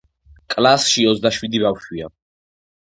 კლასში ოცდა შვიდი ბავშვიაა